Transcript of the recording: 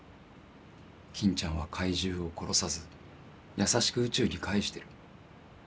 金ちゃんは怪獣を殺さず優しく宇宙に帰してる。